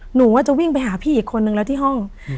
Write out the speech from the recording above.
หนูว่าจะวิ่งไปหาพี่อีกคนนึงแล้วที่ห้อง